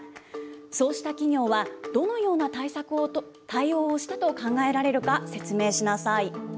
そうした企業はどのような対応をしたと考えられるか、説明しなさ